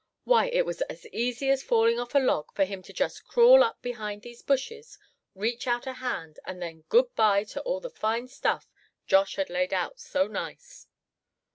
Why, it was as easy as falling off a log for him to just crawl up behind these bushes, reach out a hand, and then good bye to all the fine stuff Josh had laid out so nice."